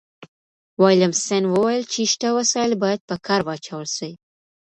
ويلم سن وويل چي شته وسايل بايد په کار واچول سي.